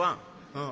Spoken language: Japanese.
「うん」。